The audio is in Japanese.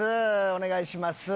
お願いします。